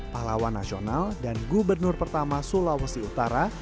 pahlawan nasional dan gubernur pertama sulawesi utara